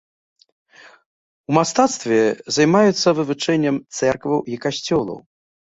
У мастацтве займаюцца вывучэннем цэркваў і касцёлаў.